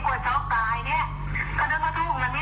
๙แล้วก็เชื่อตามเลขมงคลของเรานะ